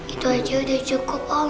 itu aja udah cukup om